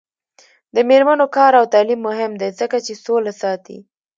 د میرمنو کار او تعلیم مهم دی ځکه چې سوله ساتي.